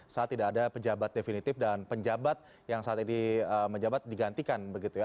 saat tidak ada pejabat definitif dan penjabat yang saat ini menjabat digantikan begitu ya